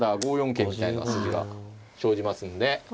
桂みたいな筋が生じますんで。